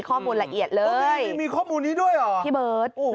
ข้อมูลละเอียดเลยที่เบิร์ดมีข้อมูลนี้ด้วยอยู่ไหม